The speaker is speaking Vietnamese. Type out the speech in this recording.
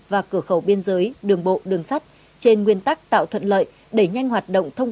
và cửa khẩu biên giới đường bộ đường sắt trên nguyên tắc tạo thuận lợi đẩy nhanh hoạt động thông